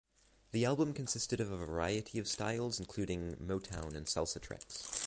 The album consisted of a variety of styles including motown and salsa tracks.